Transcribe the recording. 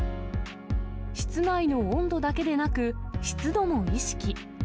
室内の温度だけでなく、湿度も意識。